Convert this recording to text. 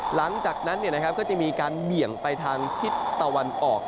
หลังจากนั้นก็จะมีการเบี่ยงไปทางทิศตะวันออก